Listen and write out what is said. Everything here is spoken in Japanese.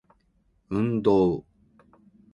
運動